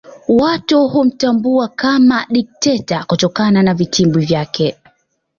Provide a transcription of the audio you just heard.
Watu humtambua kama dikteta kutokana na vitibwi vyake